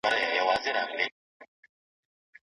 ملکيت بايد د خير لاره وي.